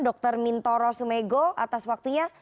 dr mintoro sumego atas waktunya